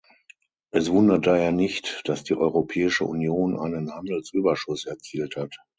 Es wundert daher nicht, dass die Europäische Union einen Handelsüberschuss erzielt hat.